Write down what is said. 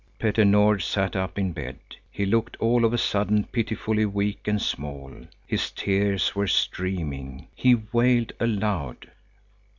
Petter Nord sat up in bed. He looked all of a sudden pitifully weak and small. His tears were streaming. He wailed aloud.